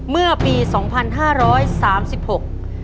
เมื่อปีสองพันห้าร้อยสามสิบหก